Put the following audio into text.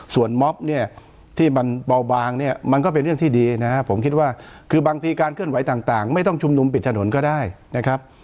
ส่วนม็อบเนี่ยที่มันเบาบางเนี่ยมันก็เป็นเรื่องที่ดีนะครับผมคิดว่าคือบางทีการเคลื่อนไหวต่างไม่ต้องชุมนุมปิดถนนก็ได้นะครับ